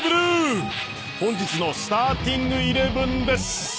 本日のスターティングイレブンです。